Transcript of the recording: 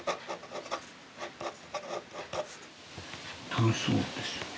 楽しそうですね。